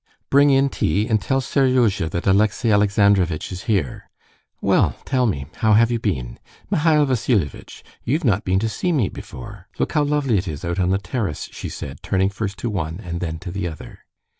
"Bring in tea, and tell Seryozha that Alexey Alexandrovitch is here. Well, tell me, how have you been? Mihail Vassilievitch, you've not been to see me before. Look how lovely it is out on the terrace," she said, turning first to one and then to the other.